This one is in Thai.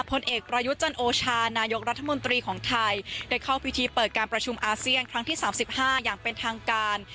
ผลเอกประยุทธ์จันโอชานายกรัฐมนตรีของไทยได้เข้าพิธีเปิดการประชุมอาเซียนครั้งที่๓๕อย่างเป็นทางการ